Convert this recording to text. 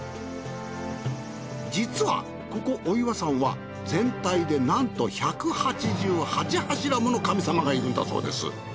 実はここ御岩山は全体でなんと１８８柱もの神様がいるんだそうです。